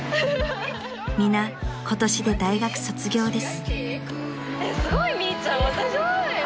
［皆今年で大学卒業です］